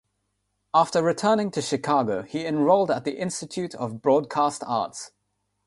After returning to Chicago, he enrolled at the Institute of Broadcast Arts.